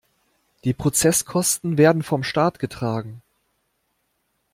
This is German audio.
Die Prozesskosten werden vom Staat getragen.